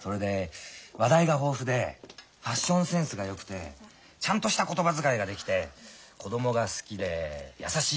それで話題が豊富でファッションセンスがよくてちゃんとした言葉遣いができて子供が好きで優しい女が好き。